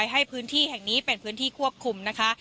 ให้พื้นที่แห่งนี้เป็นพื้นที่ควบคุมนะคะ